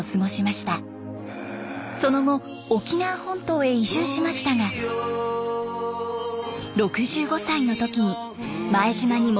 その後沖縄本島へ移住しましたが６５歳の時に前島に戻ってきました。